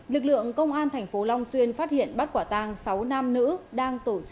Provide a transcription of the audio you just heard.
lực lượng công an tp long xuyên phát hiện bắt quả tang sáu nam nữ